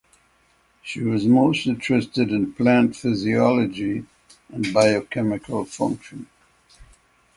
She was most interested in plant physiology and biochemical function.